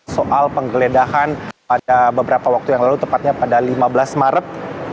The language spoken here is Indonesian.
soal penggeledahan pada beberapa waktu yang lalu tepatnya pada lima belas maret